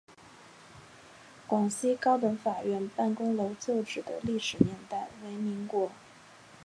广西高等法院办公楼旧址的历史年代为民国。